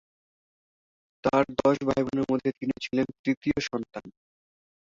তার দশ ভাইবোনের মধ্যে তিনি ছিলেন তৃতীয় সন্তান।